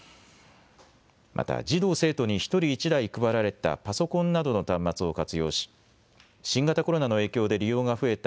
また児童・生徒に１人１台配られたパソコンなどの端末を活用し新型コロナの影響で利用が増えた